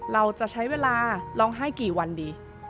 เราจะใช้เวลาร้องไห้กี่วันดี